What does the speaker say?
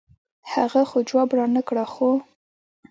هغه خو جواب رانۀ کړۀ خو